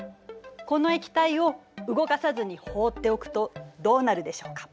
この液体を動かさずに放っておくとどうなるでしょうか。